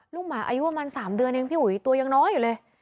หมาอายุประมาณ๓เดือนเองพี่อุ๋ยตัวยังน้อยอยู่เลย